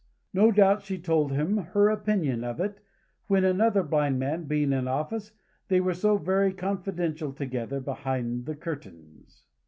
No doubt she told him her opinion of it when, another blind man being in office, they were so very confidential together, behind the curtains.